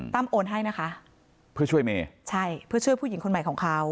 โอนให้นะคะเพื่อช่วยเมใช่เพื่อช่วยผู้หญิงคนใหม่ของเขา